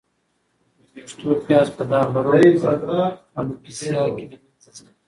د وېښتو پیاز په داغ لرونکې الوپیسیا کې له منځه ځي.